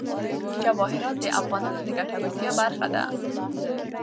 جواهرات د افغانانو د ګټورتیا برخه ده.